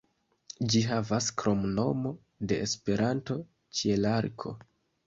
Ĝi havas kromnomo de Esperanto "Ĉielarko".